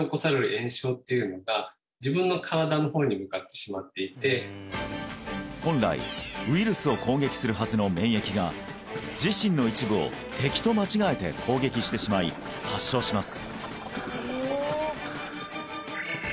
そういったこの本来ウイルスを攻撃するはずの免疫が自身の一部を敵と間違えて攻撃してしまい発症します